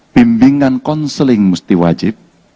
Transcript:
pimbingan konseling mesti wajib